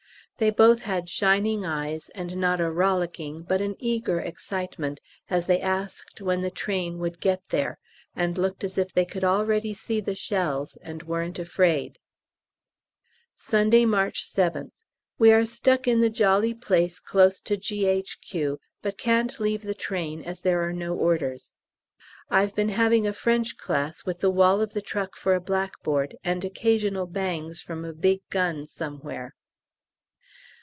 They both had shining eyes, and not a rollicking but an eager excitement as they asked when the train would get "there," and looked as if they could already see the shells and weren't afraid. Sunday, March 7th. We are stuck in the jolly place close to G.H.Q., but can't leave the train as there are no orders. I've been having a French class, with the wall of the truck for a blackboard, and occasional bangs from a big gun somewhere.